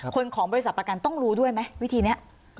ของบริษัทประกันต้องรู้ด้วยไหมวิธีนี้